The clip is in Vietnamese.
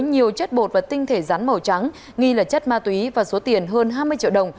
nhiều chất bột và tinh thể rắn màu trắng nghi là chất ma túy và số tiền hơn hai mươi triệu đồng